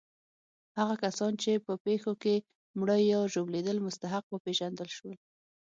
هغه کسان چې په پېښو کې مړه یا ژوبلېدل مستحق وپېژندل شول.